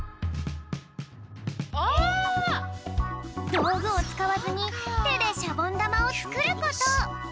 どうぐをつかわずにてでシャボンだまをつくること。